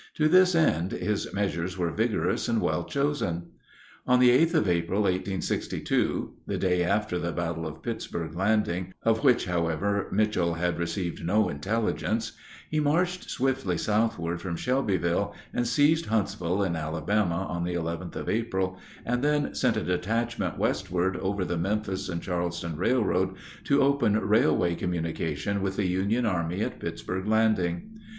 To this end his measures were vigorous and well chosen. On the 8th of April, 1862, the day after the battle of Pittsburg Landing, of which, however, Mitchel had received no intelligence, he marched swiftly southward from Shelbyville, and seized Huntsville in Alabama on the 11th of April, and then sent a detachment westward over the Memphis and Charleston Railroad to open railway communication with the Union army at Pittsburg Landing.